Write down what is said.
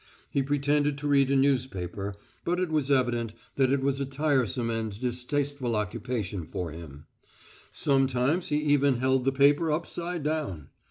He pretended to read a newspaper, but it was evident that it was a tiresome and distasteful occupation for him; sometimes he even held the paper upside down.